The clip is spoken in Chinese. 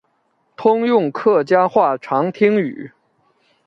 通用客家语长汀话。